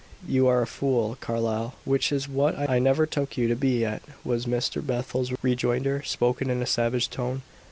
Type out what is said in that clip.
"You are a fool, Carlyle, which is what I never took you to be yet," was Mr. Bethel's rejoinder, spoken in a savage tone.